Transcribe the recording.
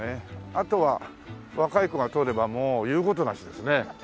あとは若い子が通ればもう言う事なしですね。